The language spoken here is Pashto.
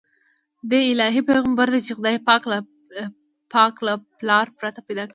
دی هغه الهي پیغمبر دی چې خدای پاک له پلار پرته پیدا کړ.